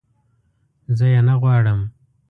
زه یې نه غواړم